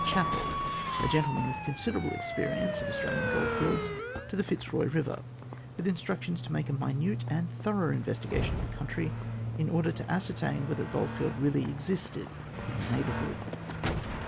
Chapel, a gentleman with considerable practical experience of the Australian gold fields, to the Fitzroy Kiver, with instructions to make a minute and thorough investigation of the country, in order to ascertain whether a goldfield really existed in the neighbour hood.